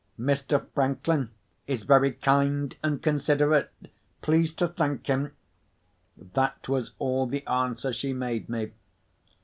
"Mr. Franklin is very kind and considerate. Please to thank him." That was all the answer she made me.